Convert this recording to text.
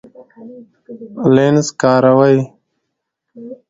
لینز کاروئ؟